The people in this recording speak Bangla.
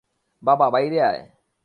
বাবা, বাইরে আয়।